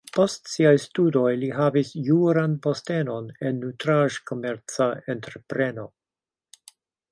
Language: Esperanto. Post siaj studoj li havis juran postenon en nutraĵkomerca entrepreno.